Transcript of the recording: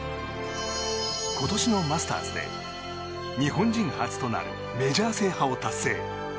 今年のマスターズで日本人初となるメジャー制覇を達成。